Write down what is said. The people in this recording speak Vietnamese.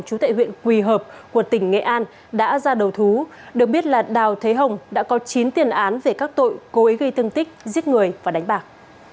chú tệ huyện quỳ hợp của tỉnh nghệ an đã ra đầu thú được biết là đào thế hồng đã có chín tiền án về các tội cố ý gây thương tích giết người và đánh bạc